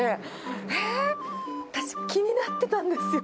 えー、私、気になってたんですよ。